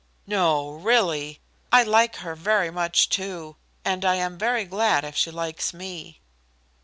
"No, really? I like her very much, too: and I am very glad if she likes me."